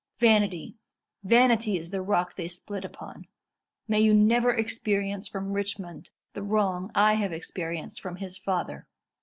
Vanity vanity is the rock they split upon. May you never experience from Richmond the wrong I have experienced from his father."